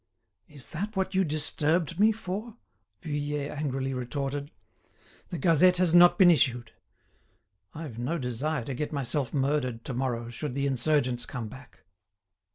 "Is that what you disturbed me for?" Vuillet angrily retorted. "The 'Gazette' has not been issued; I've no desire to get myself murdered to morrow, should the insurgents come back."